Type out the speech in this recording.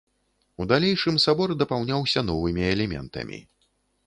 У далейшым сабор дапаўняўся новымі элементамі.